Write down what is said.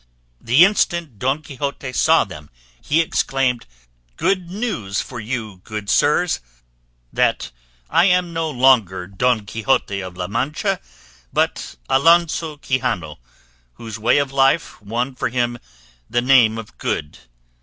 The instant Don Quixote saw them he exclaimed, "Good news for you, good sirs, that I am no longer Don Quixote of La Mancha, but Alonso Quixano, whose way of life won for him the name of Good.